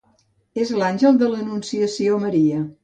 És l'àngel de l'anunciació a Maria.